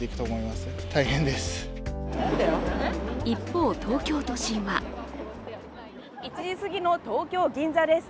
一方、東京都心は１時過ぎの東京・銀座です。